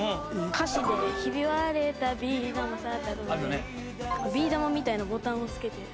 歌詞で「ひび割れたビー玉さ」ってあるのでビー玉みたいなボタンをつけて。